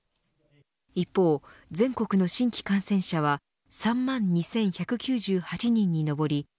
一方、全国の新規感染者は３万２１９８人にのぼり